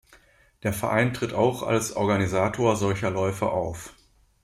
Der Verein tritt auch als Organisator solcher Läufe auf.